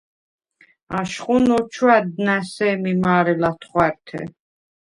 აშხუნ ოჩვა̈დდ ნა̈ სემი მარე ლა̈თხვართე.